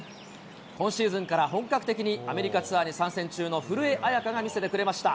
今シーズンから本格的にアメリカツアーに参戦中の古江彩佳が見せてくれました。